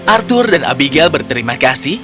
arthur dan abigail berterima kasih